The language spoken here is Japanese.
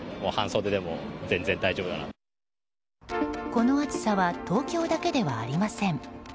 この暑さは東京だけではありません。